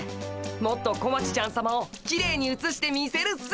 もっと小町ちゃんさまをきれいにうつしてみせるっす。